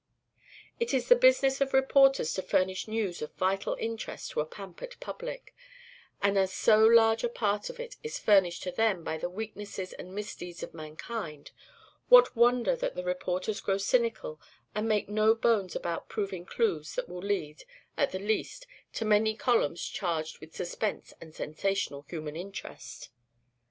It is the business of reporters to furnish news of vital interest to a pampered public, and as so large a part of it is furnished to them by the weaknesses and misdeeds of mankind, what wonder that the reporters grow cynical and make no bones about providing clues that will lead, at the least, to many columns charged with suspense and sensational human interest!